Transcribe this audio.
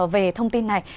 về thông tin này